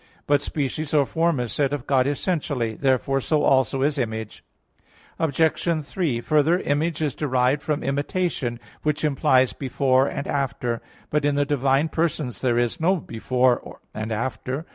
But species or form is said of God essentially. Therefore so also is Image. Obj. 3: Further, Image is derived from imitation, which implies "before" and "after." But in the divine persons there is no "before" and "after."